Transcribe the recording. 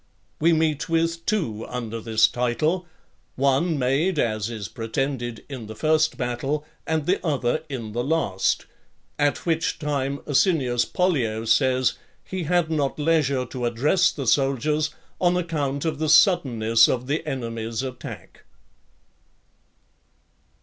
We meet with two under this title; one made, as is pretended, in the first battle, and the other in the last; at which time, Asinius Pollio says, he had not leisure to address the soldiers, on account of the suddenness of the enemy's attack.